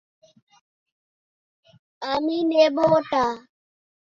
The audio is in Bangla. আমি নেবো ওটা।